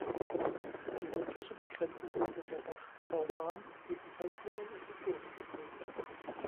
Die nördliche Begrenzung bildet der Bach "Vauban", ebenfalls mit einem Erosionstal.